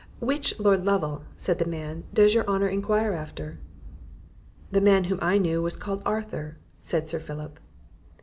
"Which Lord Lovel," said the man, "does your honour enquire after?" "The man whom I knew was called Arthur," said Sir Philip.